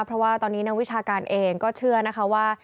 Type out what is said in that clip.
เพราะว่าตอนนี้วิชาการเองก็เชื่อว่า